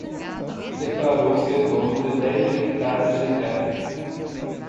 Declarou ser dono de dez hequitares de terra